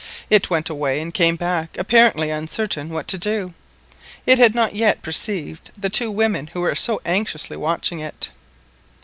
It went away and came back apparently uncertain what to do. It had not yet perceived the two women who were so anxiously watching it.